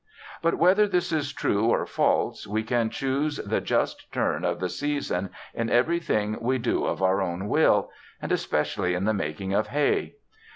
But, whether this be true or false, we can choose the just turn of the seasons in everything we do of our own will, and especially in the making of hay.